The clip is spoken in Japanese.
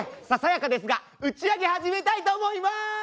ささやかですが打ち上げ始めたいと思います！